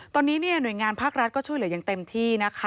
ตอนนี้หน่วยงานภาครัฐก็ช่วยเหลืออย่างเต็มที่นะคะ